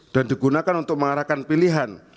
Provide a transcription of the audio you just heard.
dan digunakan untuk mengarahkan pilihan